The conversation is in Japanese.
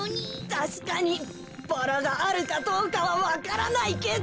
たしかにバラがあるかどうかはわからないけど。